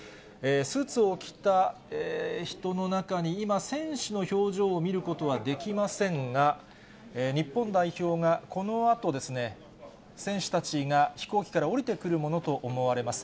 スーツを着た人の中に、今、選手の表情を見ることはできませんが、日本代表がこのあと、選手たちが飛行機から降りてくるものと思われます。